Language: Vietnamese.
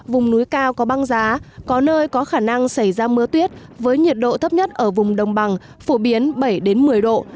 vùng núi cao có băng giá có nơi có khả năng xảy ra mưa tuyết với nhiệt độ thấp nhất ở vùng đồng bằng phổ biến bảy một mươi độ